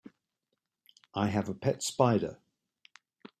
I have a pet spider.